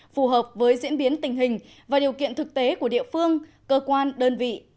phù hợp với diễn biến tình hình và điều kiện thực tế của địa phương cơ quan đơn vị